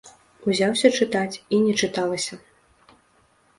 Узяўся чытаць, і не чыталася.